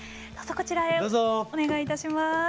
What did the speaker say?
どうぞこちらへお願いいたします。